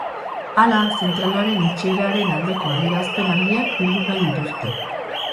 Hala, zentralaren itxieraren aldeko adierazpen argiak bildu nahi dituzte.